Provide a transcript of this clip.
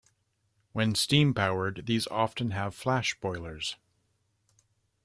When steam-powered, these often have flash boilers.